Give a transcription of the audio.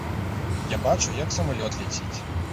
Я бачыў, як самалёт ляціць.